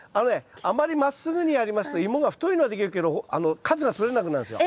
あまりまっすぐにやりますとイモが太いのはできるけど数がとれなくなるんですよ。